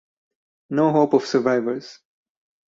No hope of survivors.